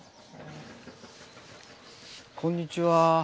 こんにちは。